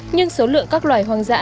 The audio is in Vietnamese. nhưng số lượng các loài hoang dã